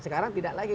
sekarang tidak lagi